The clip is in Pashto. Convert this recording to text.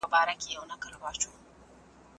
د کندهار پوهنتون رهبرۍ برياليو محصلانو ته څه ويلي دي؟